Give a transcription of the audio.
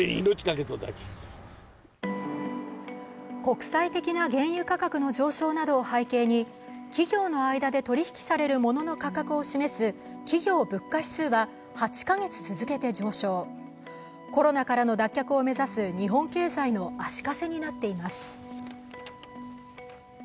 国際的な原油価格の上昇などを背景に企業の間で取り引きされるモノの価格を示す企業物価指数は８カ月続けて上昇、コロナからの脱却を目指す日本経済の足かせになっています。